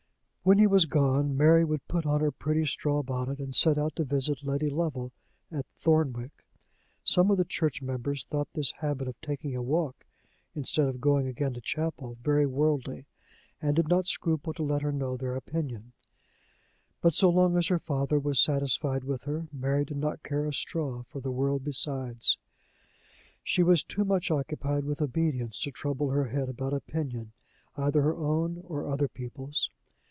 When he was gone, Mary would put on her pretty straw bonnet, and set out to visit Letty Lovel at Thornwick. Some of the church members thought this habit of taking a walk, instead of going again to the chapel, very worldly, and did not scruple to let her know their opinion; but, so long as her father was satisfied with her, Mary did not care a straw for the world besides. She was too much occupied with obedience to trouble her head about opinion, either her own or other people's.